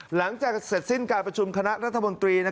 หลังจากเสร็จสิ้นการประชุมคณะรัฐมนตรี